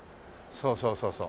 そうそうそうそう